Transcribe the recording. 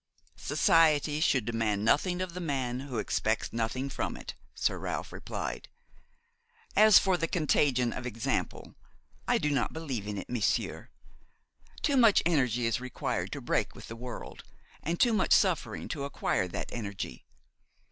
"Society should demand nothing of the man who expects nothing from it," Sir Ralph replied. "As for the contagion of example, I do not believe in it, monsieur; too much energy is required to break with the world, and too much suffering to acquire that energy.